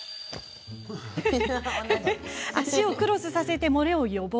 脚をクロスさせて漏れを予防。